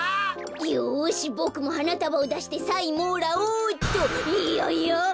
よしボクもはなたばをだしてサインもらおうっと。ややっ！